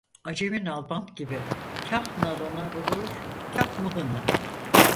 Acemi nalbant gibi kâh nalına vurur, kâh mıhına.